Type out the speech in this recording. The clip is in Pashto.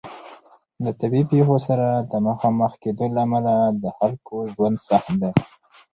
د طبیعي پیښو سره د مخامخ کیدو له امله د خلکو ژوند سخت دی.